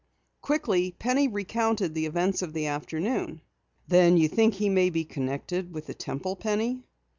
Quickly Penny recounted the events of the afternoon. "Then you think he may be connected with the Temple, Penny?"